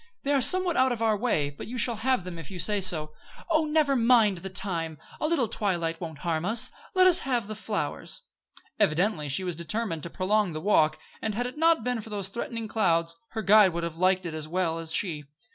They are somewhat out of our way; but you shall have them, if you say so." "Oh! never mind the time. A little twilight won't harm us. Let's have the flowers." Evidently she was determined to prolong the walk, and, had it not been for those threatening clouds, her guide would have liked it as well as she.